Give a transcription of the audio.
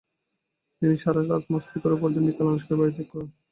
তিনি সারা রাত মাস্তি করে পরদিন বিকেলে আনুশকার বাড়ি ত্যাগ করেন।